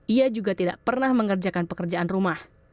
ia juga tidak pernah mengerjakan pekerjaan rumah